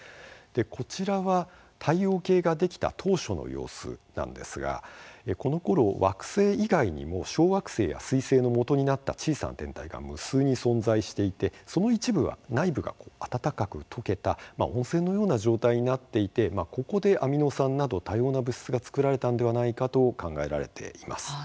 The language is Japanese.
こちらは太陽系ができた当初の様子なんですが、このころ惑星以外にも小惑星や、すい星のもとになった小さな天体が無数に存在していてその一部は、内部があたたかく溶けた温泉のような状態になっていて、ここでアミノ酸など多様な物質が作られたのではないかと考えられています。